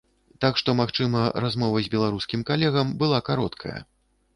Так што, магчыма, размова з беларускім калегам была кароткая.